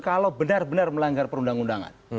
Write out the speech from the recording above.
kalau benar benar melanggar perundang undangan